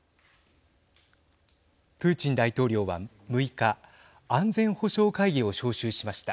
プーチン大統領は６日安全保障会議を招集しました。